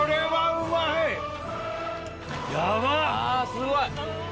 すごい！